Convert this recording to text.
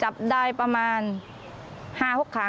แต่เธอก็ไม่ละความพยายาม